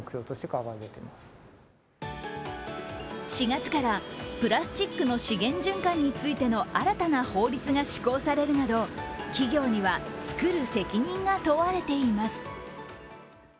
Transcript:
４月からプラスチックの資源循環についての新たな法律が施行されるなど、企業には作る責任が問われています。